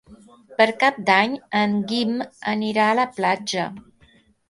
Per Cap d'Any en Guim anirà a la platja.